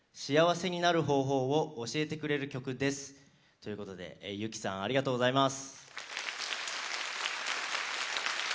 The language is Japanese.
ということでゆきさんありがとうございます。